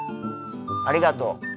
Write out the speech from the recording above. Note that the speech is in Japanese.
ありがとう。